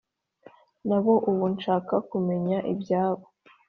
Nabo ubu nshaka kumenya ibyabo